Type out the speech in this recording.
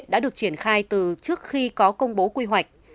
đã được triển khai từ trước khi có công bố quy hoạch